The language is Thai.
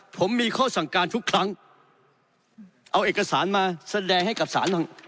ผมมีข้อสั่งการทุกครั้งเอาเอกสารมาแสดงให้กับศาลบ้าง